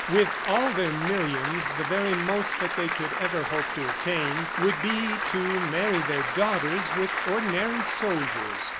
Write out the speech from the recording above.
With all their millions, the very most that they could ever hope to attain would be to marry their daughters with ordinary soldiers.